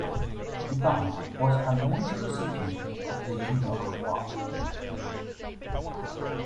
The band was a multi-recipient of the Juno Award.